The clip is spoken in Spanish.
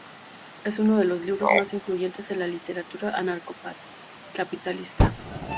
Es uno de los libros más influyentes en la literatura anarcocapitalista.